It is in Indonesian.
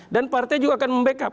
dan partai juga akan membackup